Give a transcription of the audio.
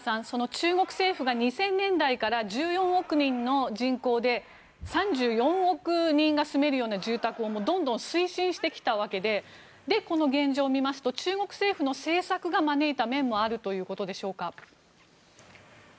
中国政府が２０００年代から１４億人の人口で３４億円人が住めるような住宅をどんどん推進してきたわけでで、この現状を見ますと中国政府の政策が招いた面もあるということでしょうか？